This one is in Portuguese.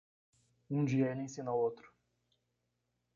Um dia ele ensina outro.